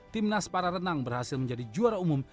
timnas para renang berhasil menjadi juara umum